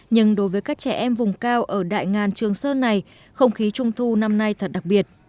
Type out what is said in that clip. nhưng đối với các trẻ em vùng cao ở đại ngàn trường sơn này không khí trung thu năm nay thật đặc biệt